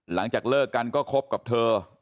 หลังจากเลิกกันก็คบกับเธอ